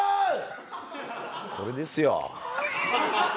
これですよ。